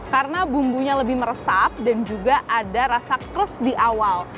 karena bumbunya lebih meresap dan juga ada rasa krus di awal